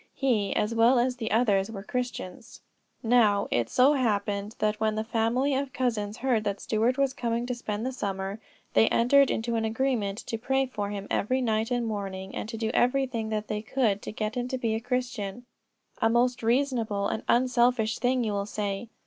He, as well as the others, were Christians. Now, it so happened that when the family of cousins heard that Stuart was coming to spend the summer, they entered into an agreement to pray for him every night and morning, and to do every thing that they could to get him to be a Christian. A most reasonable and unselfish thing, you will say.